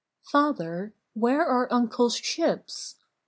"Father, where are Uncle's ships?"